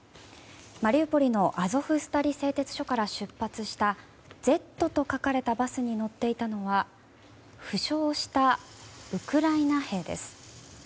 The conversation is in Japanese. マリウポリのアゾフスタリ製鉄所から出発したＺと書かれたバスに乗っていたのは負傷したウクライナ兵です。